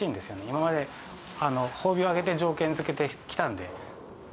今まで褒美をあげて条件づけてきたので。